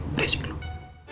gek sih gelombang